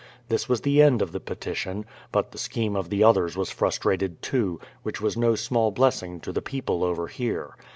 This was the end of the petition; but the scheme .of the others was frustrated too, which was no small blessing to the people over here.